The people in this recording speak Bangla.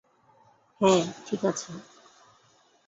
হ্যাঁ, ঠিক আছে।